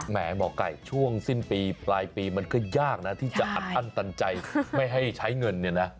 หมอไก่ช่วงสิ้นปีปลายปีมันก็ยากนะที่จะอัดอั้นตันใจไม่ให้ใช้เงินเนี่ยนะ